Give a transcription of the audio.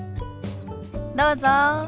どうぞ。